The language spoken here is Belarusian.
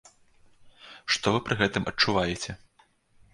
Што вы пры гэтым адчуваеце?